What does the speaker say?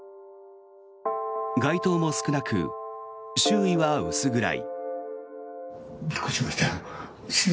街灯も少なく、周囲は薄暗い。